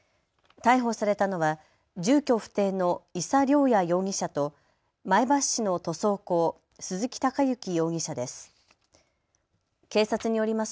逮捕されたのは住居不定の伊佐遼也容疑者と前橋市の塗装工、鈴木貴之容疑者です。